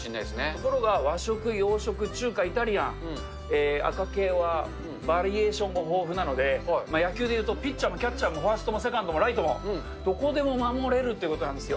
ところが和食、洋食、中華、イタリアン、赤系はバリエーションも豊富なので、野球で言うとピッチャーもキャッチャーもファーストもセカンドもライトも、どこでも守れるということなんですよ。